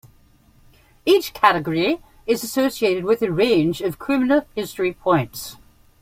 Each category is associated with a range of criminal history points.